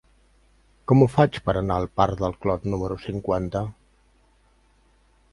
Com ho faig per anar al parc del Clot número cinquanta?